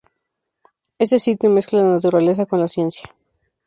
Este sitio mezcla la naturaleza, con la ciencia.